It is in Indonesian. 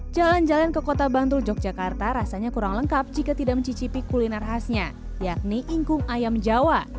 jalan jalan ke kota bantul yogyakarta rasanya kurang lengkap jika tidak mencicipi kuliner khasnya yakni ingkung ayam jawa